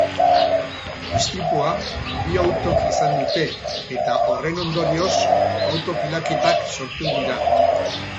Istripua bi autok izan dute eta horren ondorioz auto-pilaketak sortu dira.